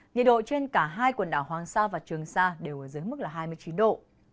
nhiệt độ trên cả hai quần đảo hoàng sa và trường sa đều ở dưới mức là hai mươi chín độ